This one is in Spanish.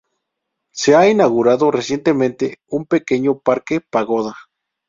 Se ha inaugurado recientemente un pequeño "Parque Pagoda".